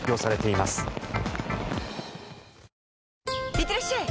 いってらっしゃい！